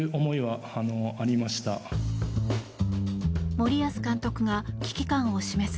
森保監督が危機感を示す